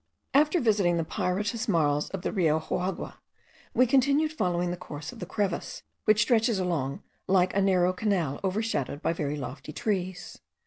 After visiting the pyritous marls of the Rio Juagua, we continued following the course of the crevice, which stretches along like a narrow canal overshadowed by very lofty trees.